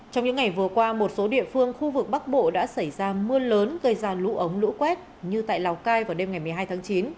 trong những ngày vừa qua một số địa phương khu vực bắc bộ đã xảy ra mưa lớn gây ra lũ ống lũ quét như tại lào cai vào đêm ngày một mươi hai tháng chín